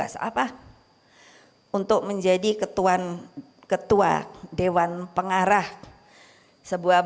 saya sudah pernah